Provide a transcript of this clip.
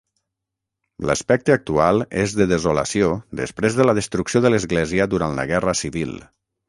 L'aspecte actual és de desolació després de la destrucció de l'església durant la guerra civil.